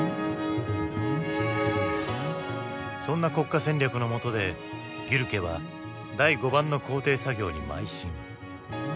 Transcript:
そんな国家戦略の下でギュルケは「第５番」の校訂作業にまい進。